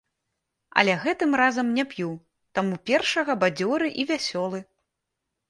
Але гэтым разам не п'ю, таму першага бадзёры і вясёлы.